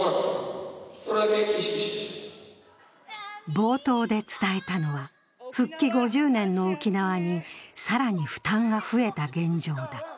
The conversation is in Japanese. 冒頭で伝えたのは復帰５０年の沖縄に、更に負担が増えた現状だ。